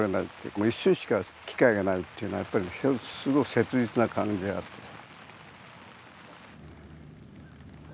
もう一瞬しか機会がないっていうのはやっぱりすごい切実な感じがあるんです。